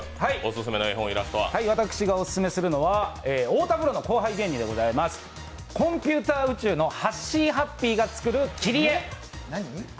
私がお勧めするのは大田プロの後輩芸人でございますコンピューター宇宙のはっしーはっぴーが作る切り絵。